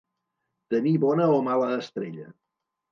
Tenir bona o mala estrella.